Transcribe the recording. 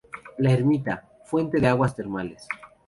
La Ermita, fuente de aguas termales.